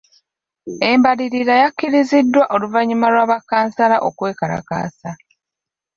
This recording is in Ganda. Embalirira yakkiriziddwa oluvannyuma lwa ba Kkansala okwekalakaasa.